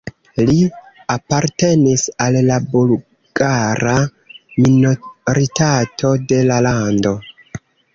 Li apartenis al la bulgara minoritato de la lando.